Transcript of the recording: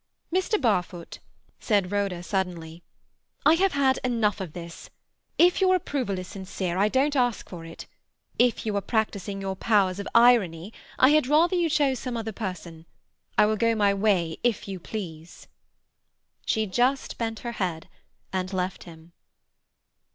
"Mr. Barfoot," said Rhoda suddenly, "I have had enough of this. If your approval is sincere, I don't ask for it. If you are practising your powers of irony, I had rather you chose some other person. I will go my way, if you please." She just bent her head, and left him.